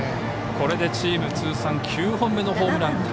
これでチーム通算９本目のホームラン。